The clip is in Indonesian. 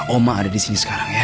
oma ada disini sekarang ya